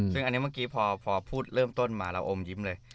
ซึ่งอันนี้เมื่อกี้พอพูดเริ่มต้นมาเราอมยิ้มเลย